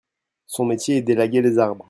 Son métier est d'élaguer les arbres.